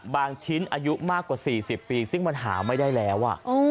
ชิ้นอายุมากกว่า๔๐ปีซึ่งมันหาไม่ได้แล้ว